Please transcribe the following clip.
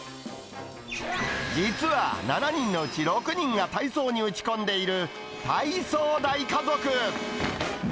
実は７人のうち６人が体操に打ち込んでいる、体操大家族。